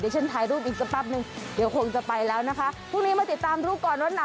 ฉันอยากให้เธอดู